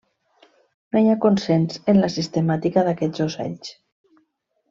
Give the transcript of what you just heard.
No hi ha consens en la sistemàtica d'aquests ocells.